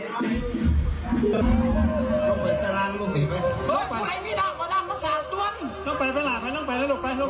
ทีนี้ก็เลยต้องเรียกเจ้าหน้าที่ตรวจจริง